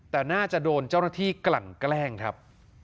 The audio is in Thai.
แต่น่าจะโดนเจ้าหน้าที่กลั่นแกล้งครับ